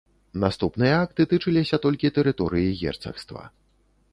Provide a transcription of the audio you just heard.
Наступныя акты тычыліся толькі тэрыторыі герцагства.